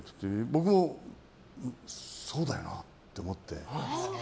僕もそうだよなって思って。